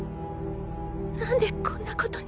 何でこんなことに